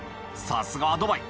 さすがはドバイ